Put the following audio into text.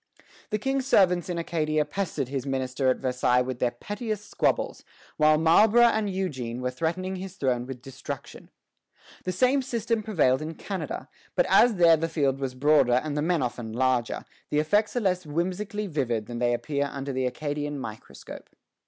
The King's servants in Acadia pestered his minister at Versailles with their pettiest squabbles, while Marlborough and Eugene were threatening his throne with destruction. The same system prevailed in Canada; but as there the field was broader and the men often larger, the effects are less whimsically vivid than they appear under the Acadian microscope.